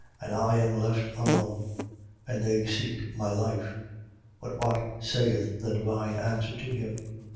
And I am left alone: and they seek my life. 11:4. But what saith the divine answer to him?